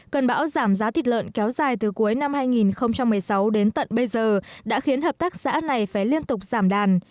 cơn bão giảm giá thịt lợn kéo dài từ cuối năm hai nghìn một mươi sáu đến tận bây giờ đã khiến hợp tác xã này phải liên tục giảm đàn